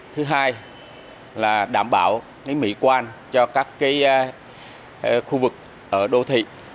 thứ hai là đảm bảo mỹ quan cho các khu vực ở đô thị